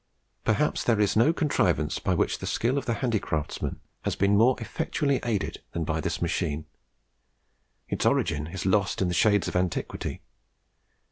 Perhaps there is no contrivance by which the skill of the handicraftsman has been more effectually aided than by this machine. Its origin is lost in the shades of antiquity.